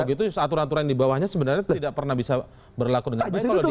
begitu aturan aturan di bawahnya sebenarnya tidak pernah bisa berlaku dengan baik kalau di